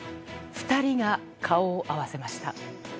２人が顔を合わせました。